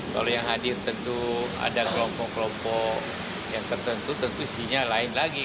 kalau yang hadir tentu ada kelompok kelompok yang tertentu tentu isinya lain lagi